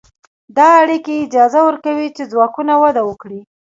دا اړیکې اجازه ورکوي چې ځواکونه وده وکړي.